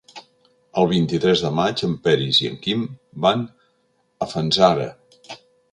El vint-i-tres de maig en Peris i en Quim van a Fanzara.